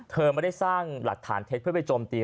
เธอไม่ได้สร้างหลักฐานเท็จเพื่อไปโจมตี